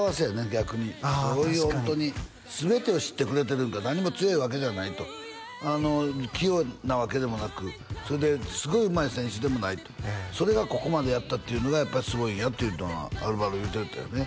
逆にああ確かに全てを知ってくれてるいうか何も強いわけではないと器用なわけでもなくそれですごいうまい選手でもないとそれがここまでやったっていうのがやっぱりすごいんよっていうのはアルバロ言うてたよね